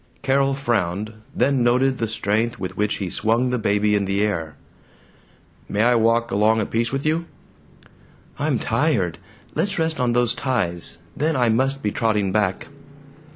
Carol frowned, then noted the strength with which he swung the baby in the air. "May I walk along a piece with you?" "I'm tired. Let's rest on those ties. Then I must be trotting back."